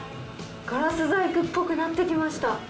ガラス細工っぽくなってきました。